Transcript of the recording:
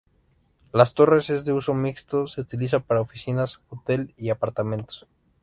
La torre es de uso mixto, se utiliza para oficinas, hotel, y apartamentos.